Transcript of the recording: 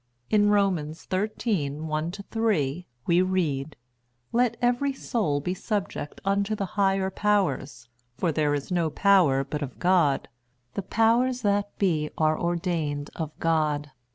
In Romans xiii. 1—3, we read: "Let every soul be subject unto the higher powers. For there is no power but of God: the powers that be are ordained of God.